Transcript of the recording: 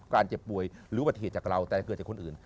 เจ็บป่วยหรืออุบัติเหตุจากเราแต่เกิดจากคนอื่น